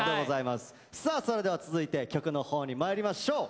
さあそれでは続いて曲のほうにまいりましょう。